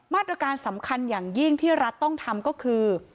มาตรการสำคัญอย่างยิ่งที่รัฐต้องทำก็คือ